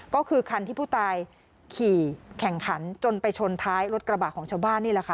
ก็คือคันที่ผู้ตายขี่แข่งขันจนไปชนท้ายรถกระบะของชาวบ้านนี่แหละค่ะ